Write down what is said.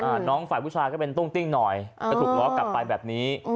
น้องฝ่ายผู้ชายก็เป็นตุ้งติ้งหน่อยอ่าก็ถูกง้อกลับไปแบบนี้